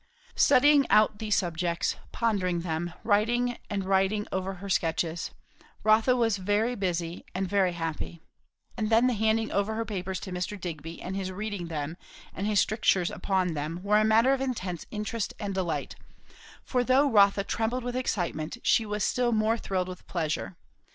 Studying out these subjects, pondering them, writing and writing over her sketches, Rotha was both very busy and very happy; and then the handing over her papers to Mr. Digby, and his reading them, and his strictures upon them, were a matter of intense interest and delight; for though Rotha trembled with excitement she was still more thrilled with pleasure.